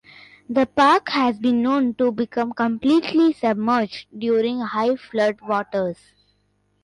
The park has been known to become completely submerged during high flood waters.